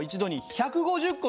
１５０個？